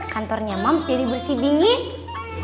kantornya moms jadi bersih dingin